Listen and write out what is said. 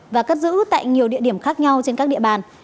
và cất giữ tại nhiều địa điểm khác nhau trên các địa bàn